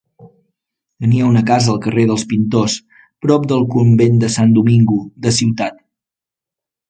Tenia una casa al carrer dels pintors, prop del Convent de Sant Domingo de Ciutat.